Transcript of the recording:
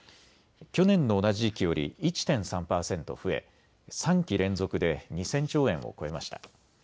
去年の同じ時期より１．３％増え３期連続で２０００兆円を超えました。